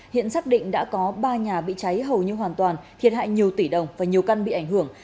hiện xác định đã có ba nhà bị cháy hầu như hoàn toàn thiệt hại nhiều tỷ đồng và nhiều căn bị ảnh hưởng